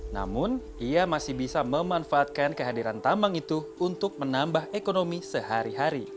namun ia masih bisa memanfaatkan kehadiran tambang itu untuk menambah ekonomi sehari hari